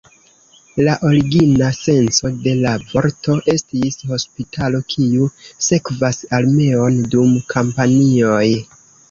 La origina senco de la vorto estis "hospitalo kiu sekvas armeon dum kampanjoj".